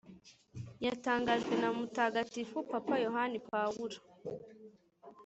yatangajwe na mutagatifu papa yohani pawulo